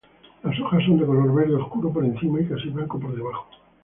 Las hojas son de color verde oscuro por encima y casi blanco por debajo.